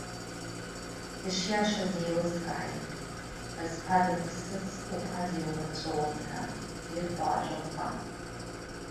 Ишиашаз еилыскааит, зԥа дымԥсыц уԥа диумырҵәуан ҳәа ирҳәо ажәаԥҟа.